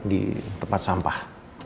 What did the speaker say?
di tempat sampah